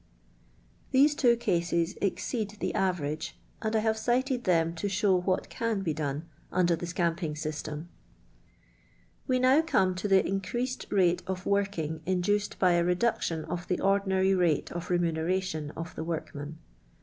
These two cases ex ceed the average and I have cited them to show what can be done under the scamping systenk. We now come to the increeued rate of working induced 6jr a reduetion qf the ordinary rate qf rennneration qf the worknuui.